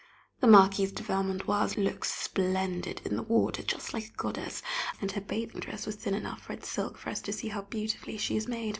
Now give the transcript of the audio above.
The Marquise de Vermandoise looks splendid in the water, just like a goddess, and her bathing dress was thin enough red silk for us to see how beautifully she is made.